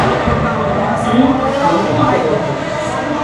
اي نوڪري ڪري سي